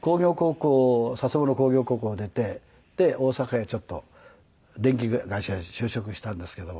工業高校佐世保の工業高校を出てで大阪へちょっと電気会社へ就職したんですけども。